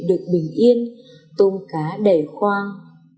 được bình yên tôm cá đầy khoang